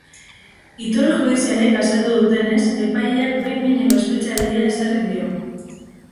Iturri judizialek azaldu dutenez, epaileak behin-behineko espetxealdia ezarri dio.